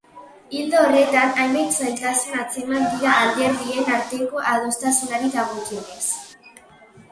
Ildo horretan, hainbat zailtasun atzeman dira alderdien arteko adostasunari dagokionez.